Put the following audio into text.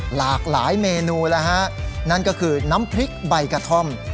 หลากหลายเมนูแล้วฮะนั่นก็คือน้ำพริกใบกระท่อม